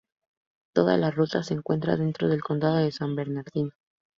Toda la ruta se encuentra dentro del condado de San Bernardino.